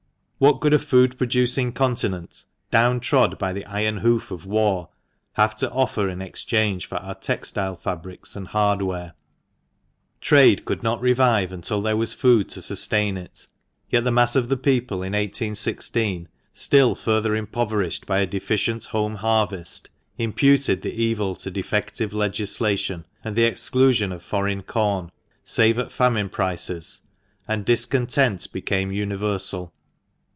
What could a food producing continent, down trod by the iron hoof of war, have to offer in exchange for our textile fabrics and hardware ? SAM BAMFORD'S COTTAUB, THE MANCHESTER MAN. 173 Trade could not revive until there was food to sustain it. Yet the mass of the people in 1816, still further impoverished by a deficient home harvest, imputed the evil to defective legislation, and the exclusion of foreign corn, save at famine prices, and discontent became universal.